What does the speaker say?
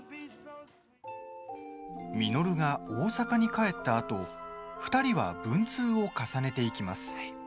稔が大阪に帰ったあと２人は文通を重ねていきます。